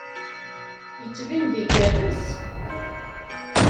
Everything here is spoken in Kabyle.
Yettbin-d igerrez.